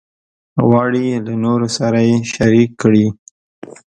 غواړي له نورو سره یې شریک کړي.